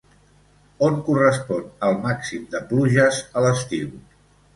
On correspon el màxim de pluges a l'estiu?